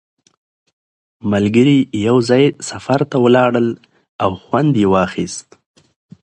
ملګري یو ځای سفر ته ولاړل او خوند یې واخیست